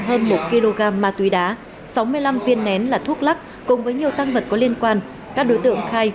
hơn một kg ma túy đá sáu mươi năm viên nén là thuốc lắc cùng với nhiều tăng vật có liên quan các đối tượng khai